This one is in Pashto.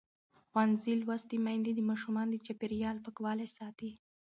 ښوونځې لوستې میندې د ماشومانو د چاپېریال پاکوالي ساتي.